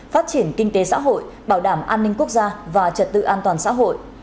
phát triển kinh tế xã hội bảo đảm an ninh quốc gia và trật tự an toàn xã hội